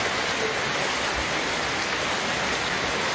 พร้อมทุกสิทธิ์